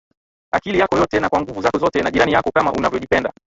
akili yako yote na kwa nguvu zako zote na jirani yako kama unavyojipenda